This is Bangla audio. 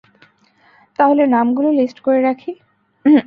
তাহলে, নামগুলো লিস্ট করে রাখি!